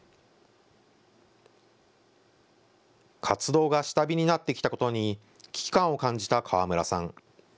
活動が下火になってきたことに危機感を感じた河村さん。